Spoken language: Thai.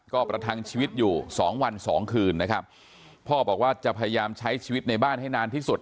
ก็ประทังชีวิตอยู่สองวันสองคืนนะครับพ่อบอกว่าจะพยายามใช้ชีวิตในบ้านให้นานที่สุด